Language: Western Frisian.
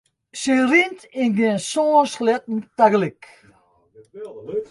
Sy rint yn gjin sân sleatten tagelyk.